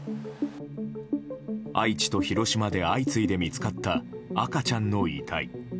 愛知と広島で相次いで見つかった赤ちゃんの遺体。